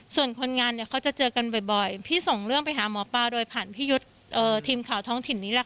ส่วนคนงานเนี่ยเขาจะเจอกันบ่อยพี่ส่งเรื่องไปหาหมอปลาโดยผ่านพี่ยุทธ์ทีมข่าวท้องถิ่นนี้แหละค่ะ